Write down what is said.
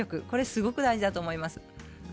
これはすごく大事だと思います。